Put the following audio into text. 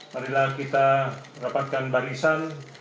marilah kita rapatkan barisan